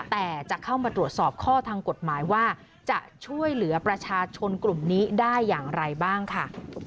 แต่จะเข้ามาตรวจสอบข้อทางกฎหมายว่าจะช่วยเหลือประชาชนกลุ่มนี้ได้อย่างไรบ้างค่ะ